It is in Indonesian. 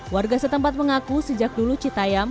warga setempat mengaku sejak dulu citayam